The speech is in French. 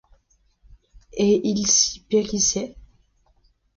Et s’il périssait?